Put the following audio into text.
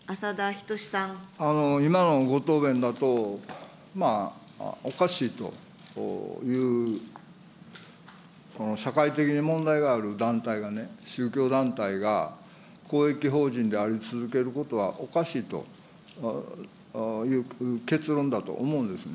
今のご答弁だと、おかしいという、社会的に問題がある団体がね、宗教団体が、公益法人であり続けることはおかしいという結論だと思うんですね。